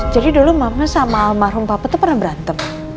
jadi dulu mama sama mahrum papa tuh pernah berantem